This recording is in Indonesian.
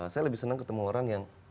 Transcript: saya lebih senang ketemu orang yang